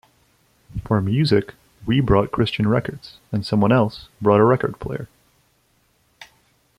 For music, we brought Christian records and someone else brought a record player.